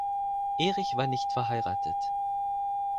Erich war nicht verheiratet.